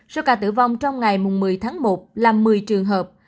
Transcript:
số ca tử vong trong ngày một mươi tháng một là một mươi trường hợp